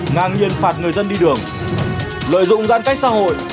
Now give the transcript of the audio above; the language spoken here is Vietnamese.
ngang nhiên phạt người dân đi đường lợi dụng giãn cách xã hội